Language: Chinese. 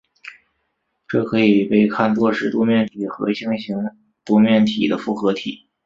这可以被看作是多面体和星形多面体的复合体。